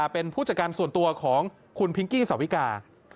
เป็นผู้จัดการส่วนตัวของคุณพิงกี้สาวิกา